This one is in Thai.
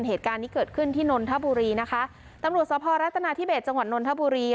เหตุการณ์นี้เกิดขึ้นที่นนทบุรีนะคะตำรวจสภรัฐนาธิเบสจังหวัดนนทบุรี